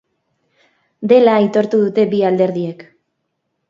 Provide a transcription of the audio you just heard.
Dela aitortu dute bi alderdiek.